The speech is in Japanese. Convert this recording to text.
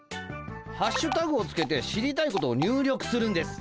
ハッシュタグをつけて知りたいことを入力するんです。